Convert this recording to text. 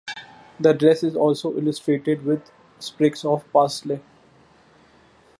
The dress is also illustrated with sprigs of parsley.